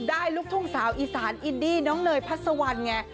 ได้ลูกทุ่งสาวอีสานอิดดี้น้องเนยพัทสวรรค์ไง